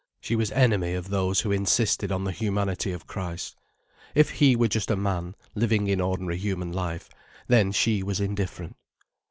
She was enemy of those who insisted on the humanity of Christ. If He were just a man, living in ordinary human life, then she was indifferent.